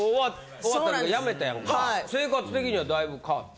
生活的にはだいぶ変わった？